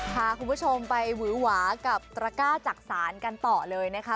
พาคุณผู้ชมไปหวือหวากับตระก้าจักษานกันต่อเลยนะคะ